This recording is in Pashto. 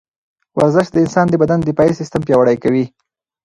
ورزش د انسان د بدن دفاعي سیستم پیاوړی کوي.